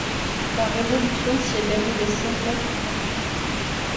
La Révolution s’y est déroulée sans heurts importants.